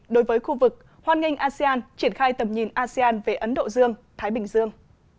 đối với khu vực hoan nghênh asean triển khai tầm nhìn asean về ấn độ dương thái bình dương